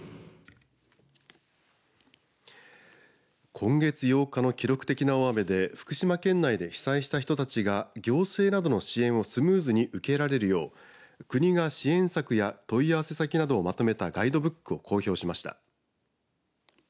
今月８日の記録的な大雨で福島県内で被災した人たちが行政などの支援をスムーズに受けられるよう国が支援策や問い合わせ先などをまとめたガイドブックを公表しました。